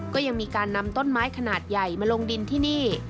ก็ยังมีการนำต้นไม้ขนาดใหญ่มาลงดินที่นี่